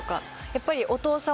やっぱり。